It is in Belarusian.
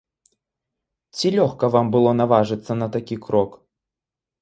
Ці лёгка вам было наважыцца на такі крок?